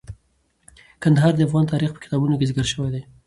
کندهار د افغان تاریخ په کتابونو کې ذکر شوی دي.